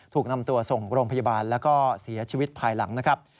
ถูกนำตัวส่งโรงพยาบาลแล้วก็เสียชีวิตภายหลังนะครับ